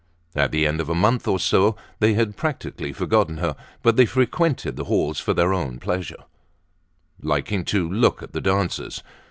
At the end of a month or so they had practically forgotten her, but they frequented the halls for their own pleasure, liking to look at the dancers.